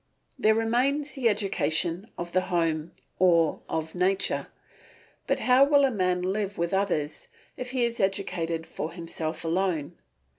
There remains the education of the home or of nature; but how will a man live with others if he is educated for himself alone?